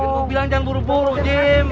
aku bilang jangan buru buru jim